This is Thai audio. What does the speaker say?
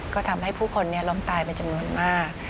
ก็ทำให้ผู้คนล้มตายเป็นจำนวนมาก